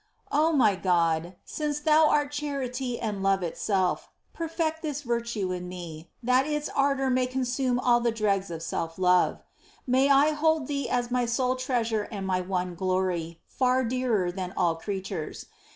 MY God ! since Thou art charity and love itself, perfect this virtue in me, that its ardour may consume all the dregs of self love. May I hold Thee as my sole Treasure and my one glory, far dearer than all creatures.